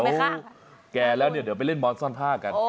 เขาแก่แล้วเนี่ยเดี๋ยวไปเล่นมอนซ่อนผ้ากัน